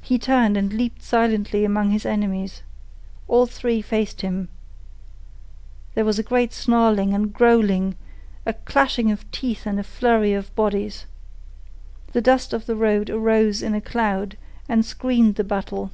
He turned and leaped silently among his enemies. All three faced him. There was a great snarling and growling, a clashing of teeth and a flurry of bodies. The dust of the road arose in a cloud and screened the battle.